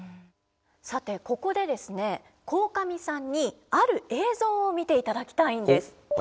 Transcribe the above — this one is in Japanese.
さてここでですね鴻上さんにある映像を見ていただきたいんです。